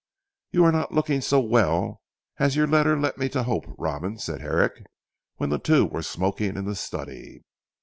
"You are not looking so well, as your letter led me to hope Robin," said Herrick, when the two were smoking in the study.